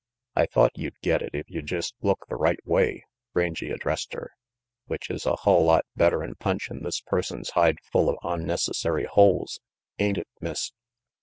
"I thought you'd get it if you'd jest look the right way," Rangy addressed her, "which is a hull lot better'n punchin' this person's hide full of onnec essary holes, ain't it, Miss?"